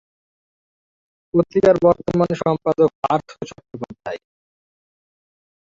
পত্রিকার বর্তমান সম্পাদক পার্থ চট্টোপাধ্যায়।